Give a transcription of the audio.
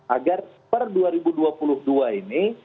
agar per dua ribu dua puluh dua ini